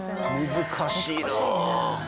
難しいね。